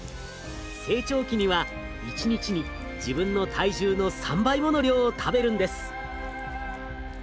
成長期には一日に自分の体重の３倍もの量を食べるんです。